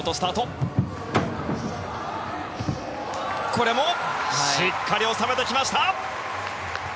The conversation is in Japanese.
これもしっかり収めてきました。